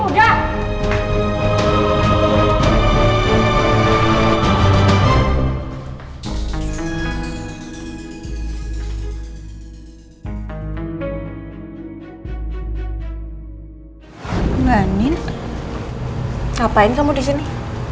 ngapain kamu disini